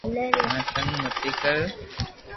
مني تنگ متي ڪر